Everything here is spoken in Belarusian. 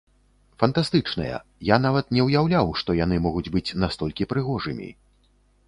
Фантастычныя, я нават не ўяўляў, што яны могуць быць настолькі прыгожымі.